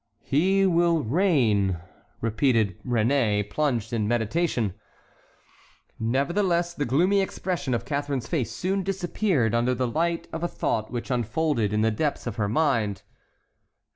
"He will reign!" repeated Réné, plunged in meditation. Nevertheless, the gloomy expression of Catharine's face soon disappeared under the light of a thought which unfolded in the depths of her mind.